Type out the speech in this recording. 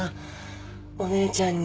お姉ちゃんに。